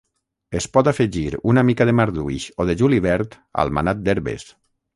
Es pot afegir una mica de marduix o de julivert al manat d'herbes.